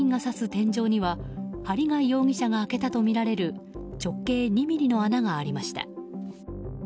天井には針谷容疑者が開けたとみられる直径２ｍｍの穴がありました。